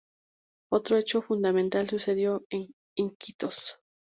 Otro hecho fundamental sucedió en Iquitos.